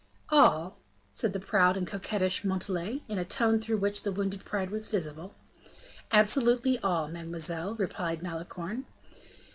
"All?" said the proud and coquettish Montalais, in a tone through which the wounded pride was visible. "Absolutely all, mademoiselle," replied Malicorne.